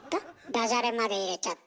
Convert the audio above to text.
ダジャレまで入れちゃって。